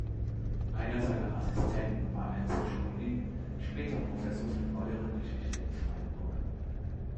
Einer seiner Assistenten war Ernst Schulin, später Professor für Neuere Geschichte in Freiburg.